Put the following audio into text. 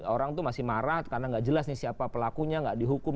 orang itu masih marah karena tidak jelas siapa pelakunya tidak dihukum